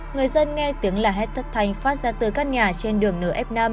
người dân nghe tiếng lạ hét thất thanh phát ra từ căn nhà trên đường nửa f năm